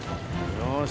よし。